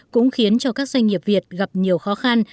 cũng khiến cho các doanh nghiệp việt gặp nhiều khó khăn